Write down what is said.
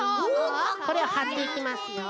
これをはっていきますよ。